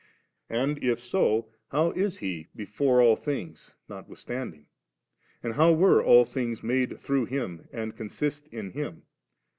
And if so, how is He before all things notwithstanding? and how were all things made through Him and consist in Him